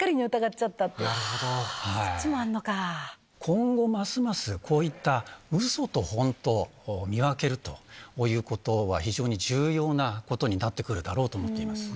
今後、ますます、こういった、うそと本当を見分けるということは、非常に重要なことになってくるだろうと思っています。